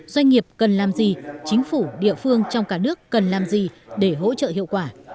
doanh nghiệp cần làm gì chính phủ địa phương trong cả nước cần làm gì để hỗ trợ hiệu quả